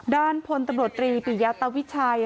ด้านพลตำรวจตรีปิยาตวิชัย